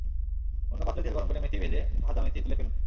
অন্য পাত্রে তেল গরম করে মেথি ভেজে ভাজা মেথি তুলে ফেলুন।